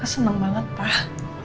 aku seneng banget pak